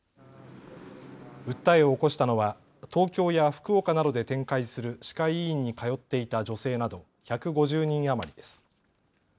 訴えを起こしたのは東京や福岡などで展開する歯科医院に通っていた女性など１５０人余りです。